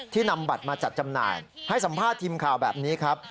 นำบัตรมาจัดจำหน่ายให้สัมภาษณ์ทีมข่าวแบบนี้ครับ